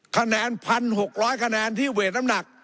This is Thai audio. คะแนน๑๖๐๐คะแนนที่เวทน้ำหนัก